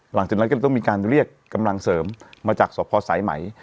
หลังจากนั้นก็จะต้องมีการเรียกกำลังเสริมมาจากสพสายไหม